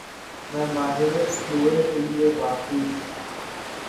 میں ماہر پلئیر کے لیے واقعی